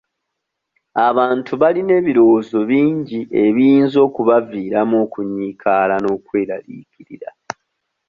Abantu balina ebirowoozo bingi ebiyinza okubaviiramu okunyiikaala n'okweraliikirira.